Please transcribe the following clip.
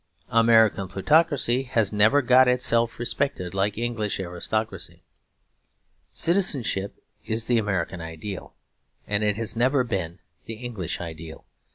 American plutocracy has never got itself respected like English aristocracy. Citizenship is the American ideal; and it has never been the English ideal.